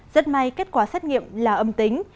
rất may kết quả xét nghiệm là âm tính